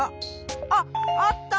あっあった！